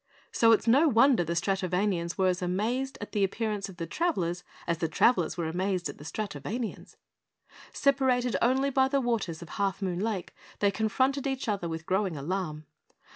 So it's no wonder the Stratovanians were as amazed at the appearance of the travellers, as the travellers were amazed at the Stratovanians. Separated only by the waters of Half Moon Lake, they confronted each other with growing alarm.